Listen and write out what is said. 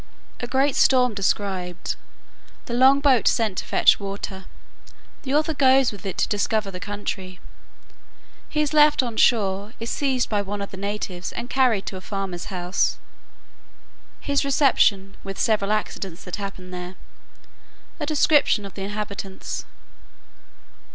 A great storm described; the long boat sent to fetch water; the author goes with it to discover the country. He is left on shore, is seized by one of the natives, and carried to a farmer's house. His reception, with several accidents that happened there. A description of the inhabitants.